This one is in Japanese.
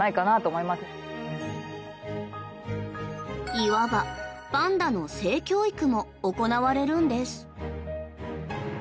いわばパンダの性教育も行われるんです。